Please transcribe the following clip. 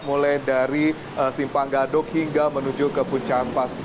mulai dari simpang gadok hingga menuju ke puncak pas